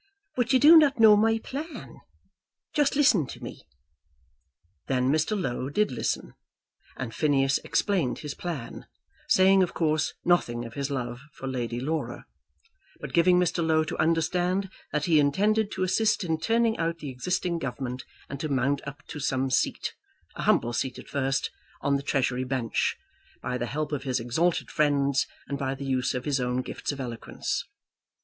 "But you do not know my plan; just listen to me." Then Mr. Low did listen, and Phineas explained his plan, saying, of course, nothing of his love for Lady Laura, but giving Mr. Low to understand that he intended to assist in turning out the existing Government and to mount up to some seat, a humble seat at first, on the Treasury bench, by the help of his exalted friends and by the use of his own gifts of eloquence.